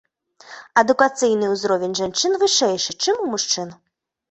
Адукацыйны ўзровень жанчын вышэйшы, чым у мужчын.